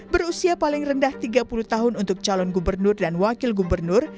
berusia paling rendah tiga puluh tahun untuk calon gubernur dan wakil gubernur